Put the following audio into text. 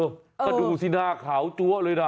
ก็ดูสิหน้าขาวจั๊วเลยนะ